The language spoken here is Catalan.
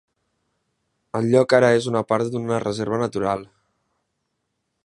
El lloc ara és una part d'una reserva natural.